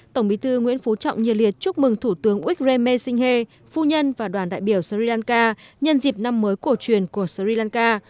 tổng bí thư nguyễn phú trọng nhiệt liệt chúc mừng thủ tướng urkheme singhe phu nhân và đoàn đại biểu sri lanka nhân dịp năm mới cổ truyền của sri lanka